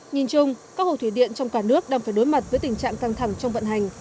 nhìn chung các hồ thủy điện trong cả nước đang phải đối mặt với tình trạng căng thẳng trong vận hành